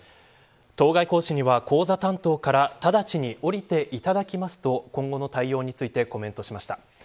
当該講師には、講座担当から直ちに降りていただきますと今後の対応についてコメントしました。